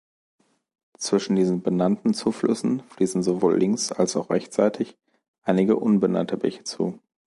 Zwischen diesen benannten Zuflüssen fließen sowohl links- als auch rechtsseitig einige unbenannte Bäche zu.